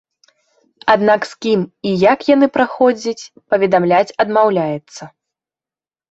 Аднак з кім і як яны праходзяць, паведамляць адмаўляецца.